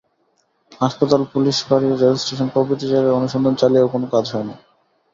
হাসপাতাল, পুলিশ ফাঁড়ি, রেলস্টেশন প্রভৃতি জায়গায় অনুসন্ধান চালিয়েও কোনো কাজ হয়নি।